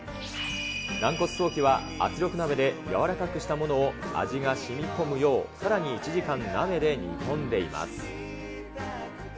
軟骨ソーキは圧力なべでやわらかくしたものを、味がしみこむよう、さらに１時間、鍋で煮込んでいます。